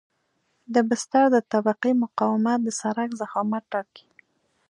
د بستر د طبقې مقاومت د سرک ضخامت ټاکي